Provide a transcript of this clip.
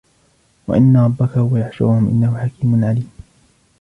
وَإِنَّ رَبَّكَ هُوَ يَحْشُرُهُمْ إِنَّهُ حَكِيمٌ عَلِيمٌ